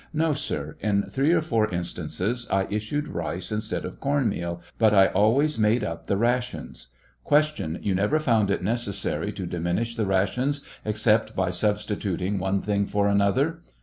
No, sir. In three or four instances I issued rice instead of corn meal ; bat I always made up the rations. Q. You never found it necessary to diminish the rations, except by substituting one thing for another